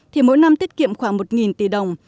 thì mỗi năm tiết kiệm khoảng một tỷ đồng